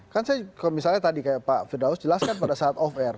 kan saya kalau misalnya tadi kayak pak firdaus jelaskan pada saat off air